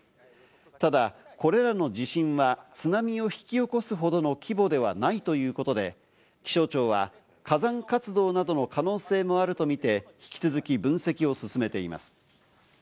ただ、これらの地震は津波を引き起こすほどの規模ではないということで、気象庁は火山活動などの可能性もあるとみて、引き続き分析を進めています。